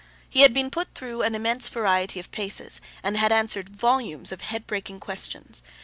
He had been put through an immense variety of paces, and had answered volumes of head breaking questions.